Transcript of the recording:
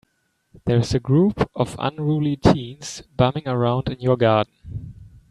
There's a group of unruly teens bumming around in your garden.